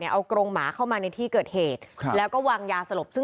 เนี่ยเอากรงหมาเข้ามาในที่เกิดเหตุแล้วก็วางยายาสลบ